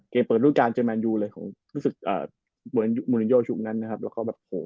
เกมเปิดรุ่นกลางเจอแมนยูเลยมุนโยชน์ยุคนั้นนะครับ